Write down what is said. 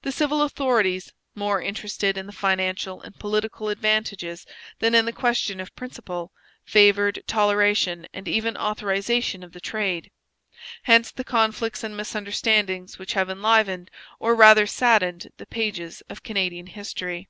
The civil authorities, more interested in the financial and political advantages than in the question of principle, favoured toleration and even authorization of the trade. Hence the conflicts and misunderstandings which have enlivened, or rather saddened, the pages of Canadian history.